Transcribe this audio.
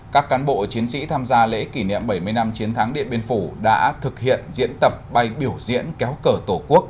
các cán bộ chiến sĩ tham gia lễ kỷ niệm bảy mươi năm chiến thắng điện biên phủ đã thực hiện diễn tập bay biểu diễn kéo cờ tổ quốc